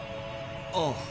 ああ。